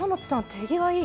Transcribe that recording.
手際いい。